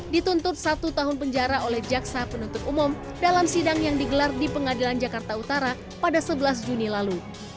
dituntut satu tahun penjara oleh jaksa penuntut umum dalam sidang yang digelar di pengadilan jakarta utara pada sebelas juni lalu